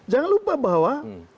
jangan lupa bahwa